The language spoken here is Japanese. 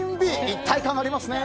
一体感がありますね。